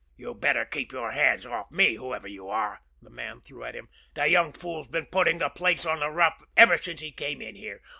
"You'd better keep your hands off, whoever you are," the man threw at him. "The young fool's been putting the place on the rough ever since he came in here.